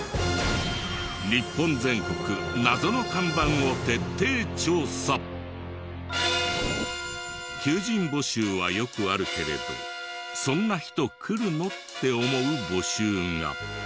日本全国求人募集はよくあるけれどそんな人来るの？って思う募集が。